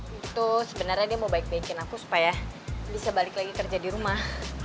itu sebenarnya dia mau baik baikin aku supaya bisa balik lagi kerja di rumah